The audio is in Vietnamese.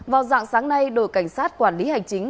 vào dạng sáng nay đội cảnh sát quản lý hành chính